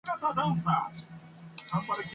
The western end is private land with no public access.